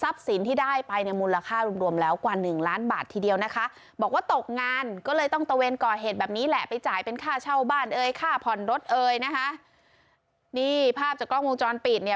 ไปจ่ายเป็นค่าเช่าบ้านเอ๋ยค่าผ่อนรถเอ๋ยนะคะนี่ภาพจากกล้องวงจรปิดเนี่ย